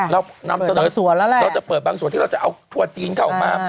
เราจะเปิดบางส่วนที่เราจะเอาทัวร์จีนเข้าออกมา